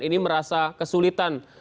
ini merasa kesulitan